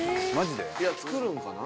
「いや作るんかな？」